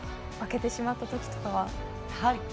負けてしまったときとかは。